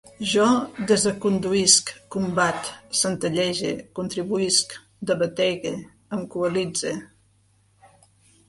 Jo desaconduïsc, combat, centellege, contribuïsc, debategue, em coalitze